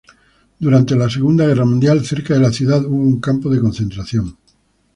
Durante la Segunda Guerra Mundial cerca de la ciudad hubo un campo de concentración.